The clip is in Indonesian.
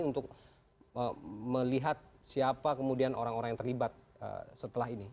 untuk melihat siapa kemudian orang orang yang terlibat setelah ini